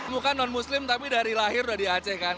bukan non muslim tapi dari lahir dari aceh kan